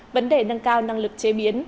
vấn đề nâng cao năng lực chế biến